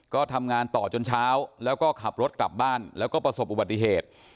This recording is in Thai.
ก็ทำงานต่อจนเช้าแล้วก็ขับรถกลับบ้านแล้วก็ประสบอุบัติเหตุ